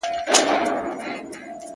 قاتل ژوندی دی! مړ یې وجدان دی!